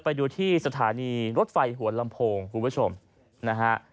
ไปดูที่สถานีรถไฟหัวลำโพงคุณผู้ชมนะฮะ